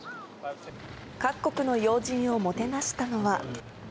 各国の要人をもてなしたのは。